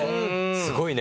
すごいね。